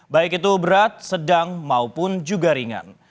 baik itu berat sedang maupun juga ringan